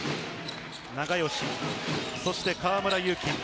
永吉、そして河村勇輝。